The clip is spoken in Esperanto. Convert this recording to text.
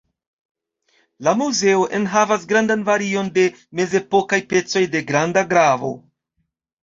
La muzeo enhavas grandan varion de mezepokaj pecoj de granda gravo.